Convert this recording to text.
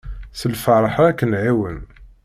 S lferḥ ara k-nɛiwen.